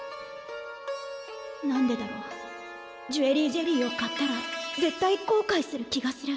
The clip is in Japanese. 何でだろうジュエリージェリーを買ったら絶対こうかいする気がする。